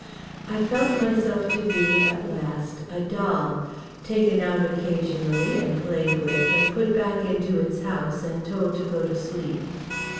I felt myself to be, at last, a doll—taken out occasionally and played with and put back into its house and told to go to sleep….